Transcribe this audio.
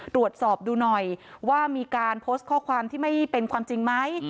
ตรวจสอบดูหน่อยว่ามีการโพสต์ข้อความที่ไม่เป็นความจริงไหม